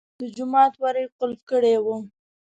د جومات ور یې قلف کړی و.